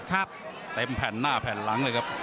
เต็มแผ่นหน้าแผ่นหลังเลยครับ